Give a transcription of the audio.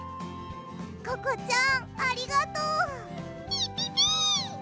ココちゃんありがとう！ピピピッ！